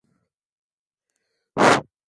dawa hizo zinaitwa dawa za kurefusha maisha